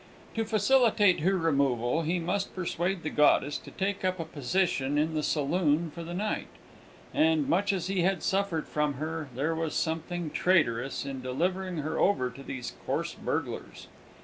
To facilitate her removal, he must persuade the goddess to take up a position in the saloon for the night; and, much as he had suffered from her, there was something traitorous in delivering her over to these coarse burglars.